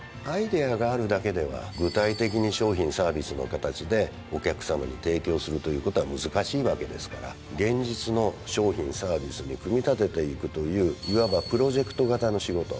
アイデアがあるだけでは具体的に商品サービスの形でお客さまに提供するということは難しいわけですから現実の商品サービスに組み立てていくといういわばプロジェクト型の仕事。